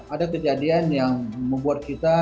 ada kejadian yang membuat kita